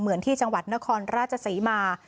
เหมือนที่จังหวัดนครราชศรีมา